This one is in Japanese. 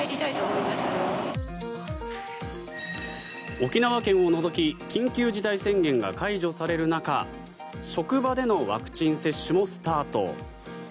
沖縄県を除き緊急事態宣言が解除される中職場でのワクチン接種もスタート。